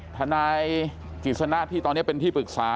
ทนายกิจสนะที่ตอนนี้เป็นที่ปรึกษา